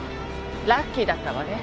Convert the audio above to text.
ラッキーだったわね。